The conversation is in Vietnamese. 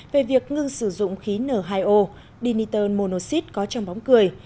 về việc ngưng sử dụng khí n hai o diniton monoxid có trong bóng cười